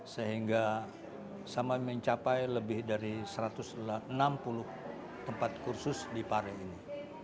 sehingga sampai mencapai lebih dari satu ratus enam puluh tempat kursus di pare ini